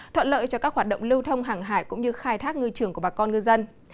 thuận lợi cho các hoạt động lưu thông hàng hải cũng như khai thác ngư trường của bà con ngư dân